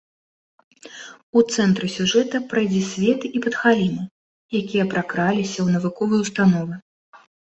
У цэнтры сюжэта прайдзісветы і падхалімы, якія пракраліся ў навуковыя ўстановы.